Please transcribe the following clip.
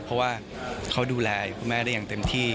เพราะว่าเขาดูแลคุณแม่ได้อย่างเต็มที่